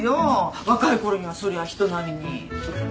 若いころにはそりゃ人並みに。